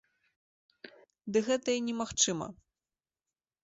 Ды гэта і немагчыма.